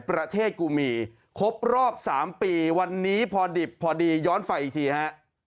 ประเทศกูมีครบรอบสามปีวันนี้พอดิบพอดีย้อนไฝอีกทีฮะ